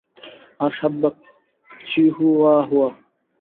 আর সাত ভাগ চিহুয়াহুয়া।